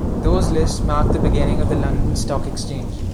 Those lists mark the beginning of the London Stock Exchange.